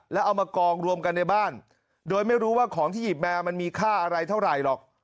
แล้วเอามากองรวมกันในบ้านโดยไม่รู้ว่าของที่หยิบมามันมีค่าอะไรเท่าไหร่หรอก